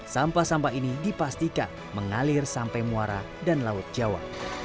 sampah sampah ini dipastikan mengalir sampai muara dan laut jawa